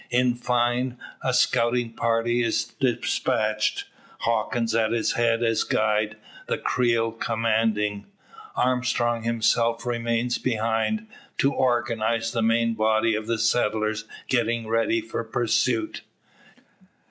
In fine, a scouting party is dispatched, Hawkins at its head as guide, the Creole commanding. Armstrong himself remains behind, to organise the main body of settlers getting ready for pursuit.